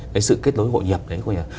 cái sự kết nối hội nhập đấy